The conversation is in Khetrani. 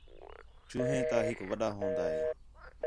جو ہئیں تا ہِک وݙا ہون٘دا ہِے